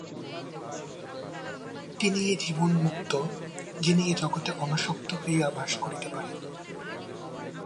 তিনিই জীবন্মুক্ত, যিনি এই জগতে অনাসক্ত হইয়া বাস করিতে পারেন।